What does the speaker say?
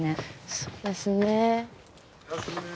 そうですね。